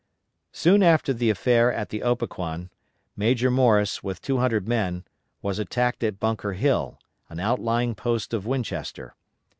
Soon after the affair at the Opequan, Major Morris, with 200 men, was attacked at Bunker Hill, an outlying post of Winchester.